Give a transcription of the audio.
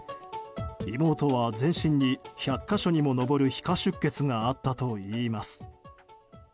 妹は全身に１００か所にも上る皮下出血があったといいます。